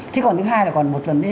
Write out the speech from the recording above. thế còn thứ hai là còn một vấn đề